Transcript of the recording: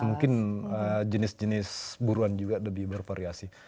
mungkin jenis jenis buruan juga lebih bervariasi